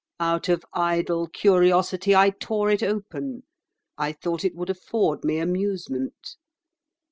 Out of idle curiosity I tore it open; I thought it would afford me amusement.